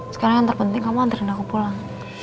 sekarang yang terpenting kamu antrikan aku pulang